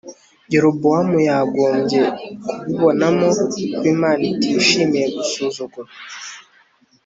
Yerobowamu yagombye kubibonamo ko Imana itishimiye gusuzugurwa